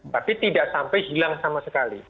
tapi tidak sampai hilang sama sekali